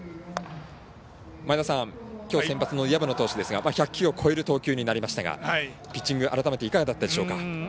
きょう先発の薮野投手ですが１００球を超える投球になりましたがピッチング改めていかがだったでしょうか？